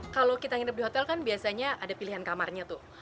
kalau kita nginep di hotel kan biasanya ada pilihan kamarnya tuh